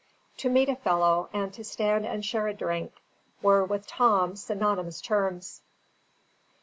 To meet a fellow, and to stand and share a drink, were with Tom synonymous terms.